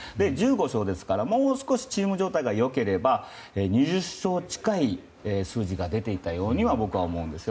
１５勝ですからもう少しチーム状態が良ければ２０勝近い数字が出ていたようには僕は思うんです。